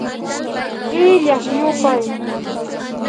Illak yupay